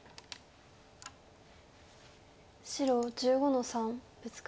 白１５の三ブツカリ。